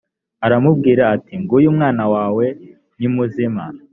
aramubwira ati nguyu umwana wawe ni muzima